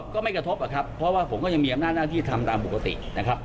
ก็ไม่กระทบอะครับเพราะว่าผมก็ยังมีอำนาจหน้าที่ทำตามปกตินะครับ